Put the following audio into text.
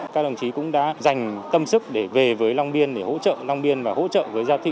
các đồng chí cũng đã dành tâm sức để về với long biên để hỗ trợ long biên và hỗ trợ với giao tiếp